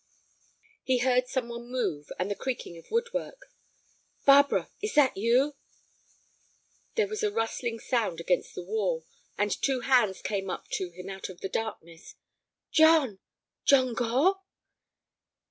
He heard some one move, and the creaking of woodwork. "Barbara, is it you?" There was a rustling sound against the wall, and two hands came up to him out of the darkness. "John—John Gore?"